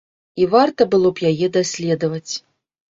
І варта было б яе даследаваць.